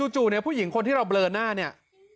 จู่เนี่ยผู้หญิงคนที่เราเบลอหน้าเนี่ย